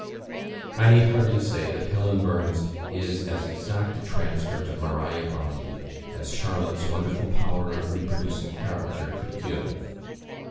I need hardly say, that Helen Burns is as exact a transcript of Maria Bronte as Charlotte's wonderful power of reproducing character could give.